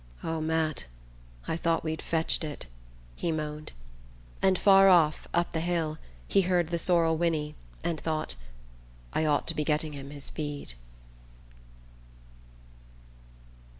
"Oh, Matt, I thought we'd fetched it," he moaned; and far off, up the hill, he heard the sorrel whinny, and thought: "I ought to be getting him his feed..."